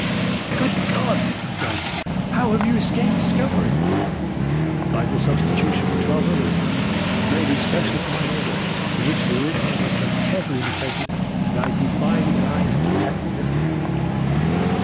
"'Good God!' I cried. 'How have you escaped discovery?' "'By the substitution of twelve others, made especially to my order, in which the originals are so carefully imitated that I defy the eye to detect the difference.'